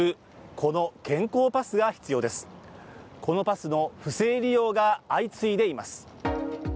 このパスの不正利用が相次いでいます。